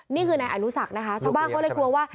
นี่คือนายอนุสักนะคะชาวบ้านเขาเลยกลัวว่า